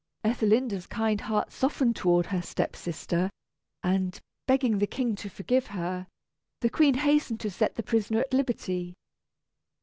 Ethelinda's kind heart softened toward her step sister; and, begging the King to forgive her, the Queen hastened to set the prisoner at liberty.